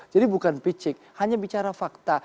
jadi bukan pijik hanya bicara fakta